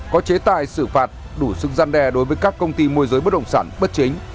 có chế tài xử phạt đủ sức gian đe đối với các công ty môi giới bất động sản bất chính